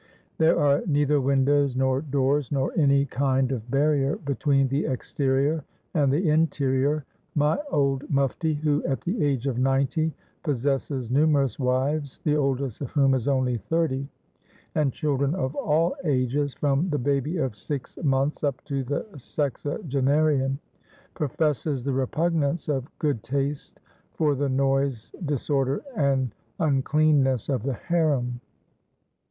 There are neither windows, nor doors, nor any kind of barrier, between the exterior and the interior. My old mufti, who, at the age of ninety, possesses numerous wives, the oldest of whom is only thirty, and children of all ages, from the baby of six months, up to the sexagenarian, professes the repugnance of good taste for the noise, disorder, and uncleanness of the harem.